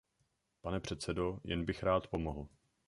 Pane předsedo, jen bych rád pomohl.